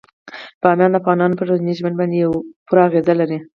بامیان د افغانانو په ټولنیز ژوند باندې پوره اغېز لري.